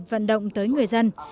vận động tới người dân